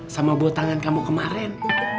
sama buat tangan kamu kemarin